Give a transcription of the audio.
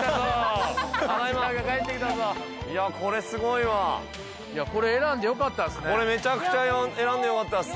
いやこれすごいわこれ選んでよかったっすね